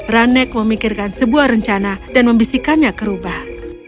rane memikirkan sebuah rencana dan membisikannya kerubah